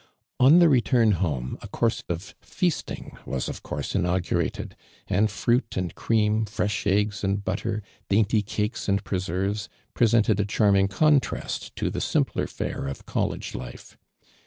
On the return home, a course of feasting w;us of course inaugurated, and fruit and cream, fresh eggs and butter, daintj' cakes and preserves, presented a charming con trast to the simpler fare of college life.